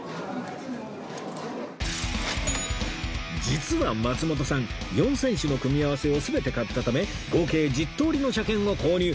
実は松本さん４選手の組み合わせを全て買ったため合計１０通りの車券を購入